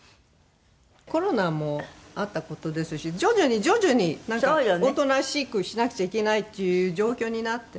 「コロナもあった事ですし徐々に徐々になんかおとなしくしなくちゃいけないっていう状況になって」